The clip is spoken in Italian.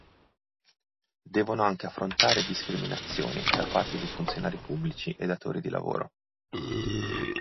Devono anche affrontare discriminazioni da parte di funzionari pubblici e datori di lavoro.